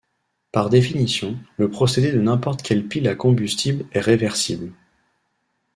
Par définition, le procédé de n'importe quelle pile à combustible est réversible.